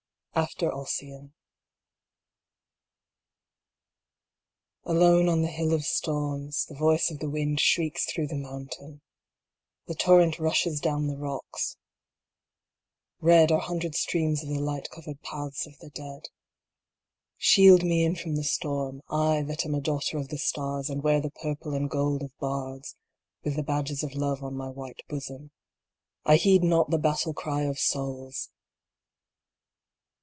(After Osstan.) A LONE on the hill of storms The voice of the wind shrieks through the moun tairu The torrent rushes down the rocks. Red are hundred streams of the light covered paths of the dead. Shield me in from the storm, I that am a daughter of the stars, and wear the purple and gold of bards, with the badges of Love on my white bosom. I heed not the battle cry of souls